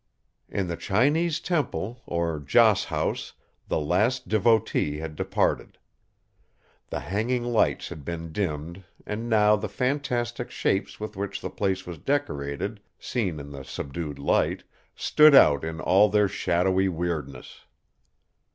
In the Chinese temple, or Joss house, the last devotee had departed. The hanging lights had been dimmed and now the fantastic shapes with which the place was decorated, seen in the subdued light, stood out in all their shadowy weirdness.